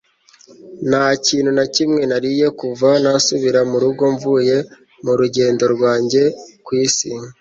Nta kintu na kimwe nariye kuva nasubira mu rugo mvuye mu rugendo rwanjye ku isi